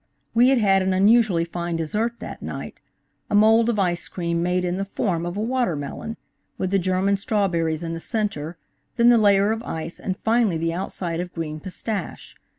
We had had an unusually fine dessert that night–a mould of ice cream made in the form of a watermelon, with the German strawberries in the centre, then the layer of ice and finally the outside of green pis tache.